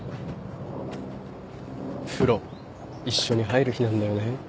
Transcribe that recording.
風呂一緒に入る日なんだよね。